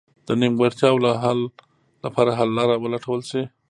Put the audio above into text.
د نیمګړتیاوو لپاره حل لاره ولټول شي.